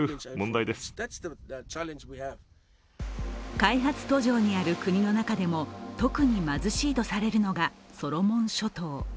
開発途上にある国の中でも特に貧しいとされるのがソロモン諸島。